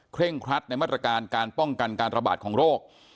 เร่งครัดในมาตรการการป้องกันการระบาดของโรค